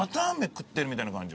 食ってるみたいな感じ。